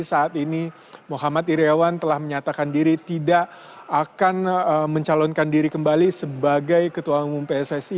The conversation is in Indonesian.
saat ini muhammad iryawan telah menyatakan diri tidak akan mencalonkan diri kembali sebagai ketua umum pssi